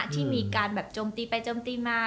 ที่มีการแบบโจมตีไปโจมตีมา